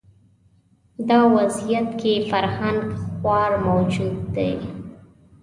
دا وضعیت کې فرهنګ خوار موجود دی